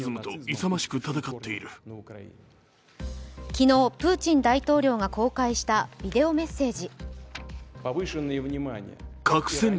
昨日、プーチン大統領が公開したビデオメッセージ。